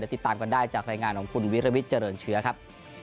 ติดตามกันได้จากรายงานของคุณวิรวิทย์เจริญเชื้อครับ